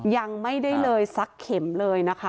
ยังไม่ได้เลยสักเข็มเลยนะคะ